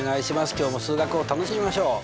今日も数学を楽しみましょう。